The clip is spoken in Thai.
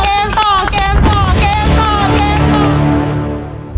เกมต่อเกมต่อเกมต่อ